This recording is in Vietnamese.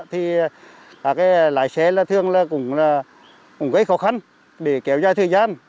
thì cả cái lái xe là thường là cũng gây khó khăn để kéo dài thời gian